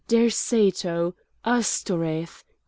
Derceto! Astoreth!